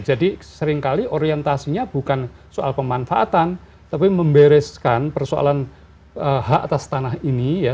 jadi seringkali orientasinya bukan soal pemanfaatan tapi membereskan persoalan hak atas tanah ini ya